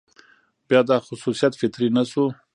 بيا دا خصوصيت فطري نه شو،